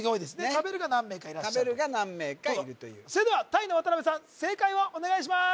食べるが何名かいらっしゃるそれではタイの渡辺さん正解をお願いしまーす